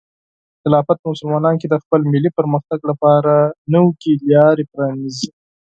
خلافت به مسلمانانو ته د خپل ملي پرمختګ لپاره نوې لارې پرانیزي.